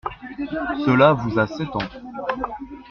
Cela vous a sept ans.